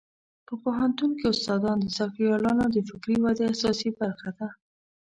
په پوهنتون کې استادان د زده کړیالانو د فکري ودې اساسي برخه ده.